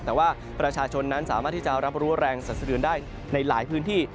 แต่ว่าประชาชนนั้นสามารถที่จะรับรู้แรงสันสะดือนได้ในหลายพื้นที่